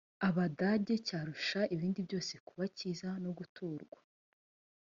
abadage cyarusha ibindi byose kuba kiza no guturwa